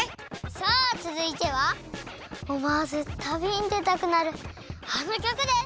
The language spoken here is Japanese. さあつづいてはおもわずたびにでたくなるあのきょくです！